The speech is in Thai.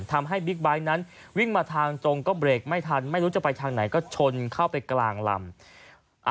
บิ๊กไบท์นั้นวิ่งมาทางตรงก็เบรกไม่ทันไม่รู้จะไปทางไหนก็ชนเข้าไปกลางลำ